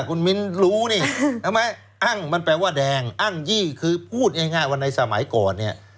คุณมิ้นรู้นี่อ้างมันแปลว่าแดงอ้างยี่คือพูดง่ายว่าในสมัยก่อนเนี่ย